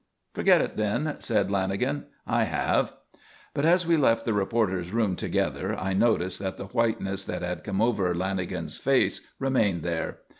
"Forget it then," said Lanagan. "I have." But as we left the reporters' room together I noticed that the whiteness that had come over Lanagan's face remained there.